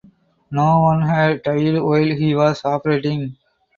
No one had died while he was operating.